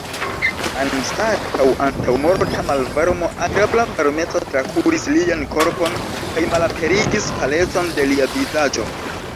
Anstataŭ antaŭmorta malvarmo agrabla varmeco trakuris lian korpon kaj malaperigis palecon de lia vizaĝo.